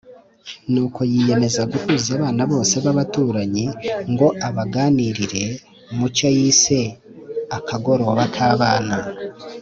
nuko yiyemeza guhuza abana bose b’abaturanyi ngo abaganirire mu cyo yise akagoroba k’abana.